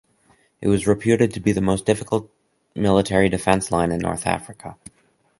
It was reputed to be the most difficult military defence line in North Africa.